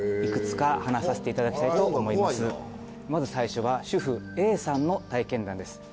まず最初は主婦Ａさんの体験談です。